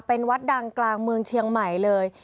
เป็นวัดดังกลางเมืองเชียงใหม่เลย